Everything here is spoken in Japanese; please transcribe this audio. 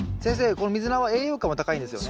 このミズナは栄養価も高いんですよね。